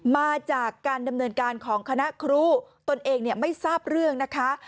มาจากการดำเนินการของคณะครูตนเองไม่ทราบเรื่องนะคะ